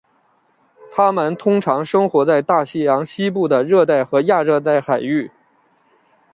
它们通常生活在大西洋西部的热带和亚热带海域。